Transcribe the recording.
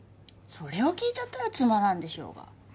それを聞いちゃったらつまらんでしょうが。